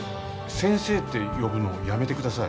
先生って呼ぶのやめてください。